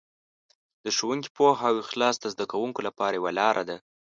د ښوونکي پوهه او اخلاص د زده کوونکو لپاره یوه لاره ده.